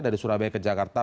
dari surabaya ke jakarta